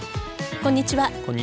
こんにちは。